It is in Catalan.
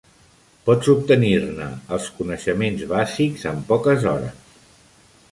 Pots obtenir-ne els coneixements bàsics en poques hores.